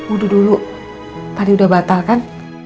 udah dulu tadi udah batal kan